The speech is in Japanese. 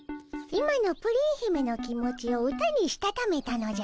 今のプリン姫の気持ちを歌にしたためたのじゃ。